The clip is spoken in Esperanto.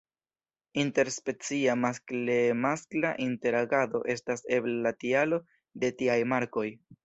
Inter-specia maskle-maskla interagado estas eble la tialo de tiaj markoj.